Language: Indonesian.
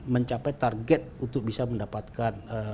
mencapai target untuk bisa mendapatkan